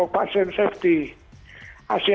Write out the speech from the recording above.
asia pacific itu ada jakarta deklarasi who